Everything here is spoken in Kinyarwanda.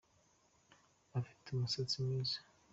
Ufite umusatsi mwiza